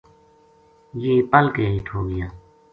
یہ پَل کے ہیٹھ ہو گیا